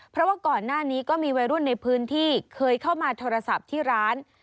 เพราะว่าก่อนหน้านี้ก็มีวัยรุ่นในพื้นที่เคยเข้ามาโทรศัพท์ที่ร้าน